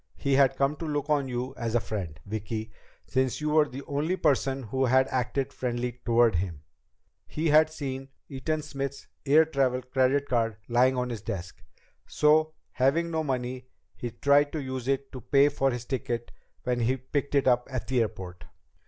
He had come to look on you as a friend, Vicki, since you were the only person who had acted friendly toward him. He had seen Eaton Smith's air travel credit card lying on his desk. So, having no money, he tried to use it to pay for his ticket when he picked it up at the airport.